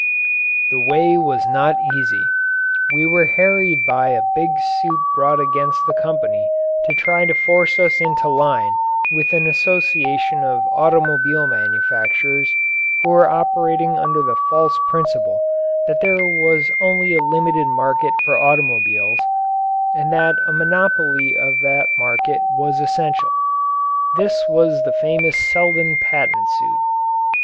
The way was not easy. We were harried by a big suit brought against the company to try to force us into line with an association of automobile manufacturers, who were operating under the false principle that there was only a limited market for automobiles and that a monopoly of that market was essential. This was the famous Selden Patent suit.